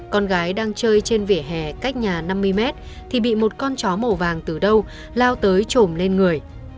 con gái đang chơi trên vỉa hè cách nhà năm mươi mét thì bị một con chó màu vàng từ đâu lao tới trồm lên người